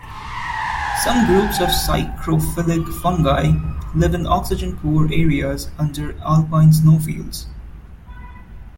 Some groups of psychrophilic fungi live in oxygen-poor areas under alpine snowfields.